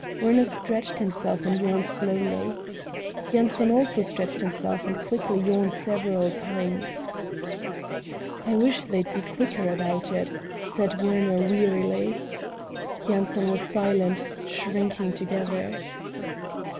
Werner stretched himself and yawned slowly. Yanson also stretched himself and quickly yawned several times. "I wish they'd be quicker about it," said Werner wearily. Yanson was silent, shrinking together.